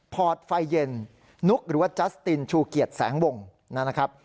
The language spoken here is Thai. พอร์ตไฟเย็นนุกหรือว่าจัสตินชูเกียจแสงวงนะครับ